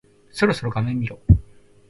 そろそろ画面見ろ。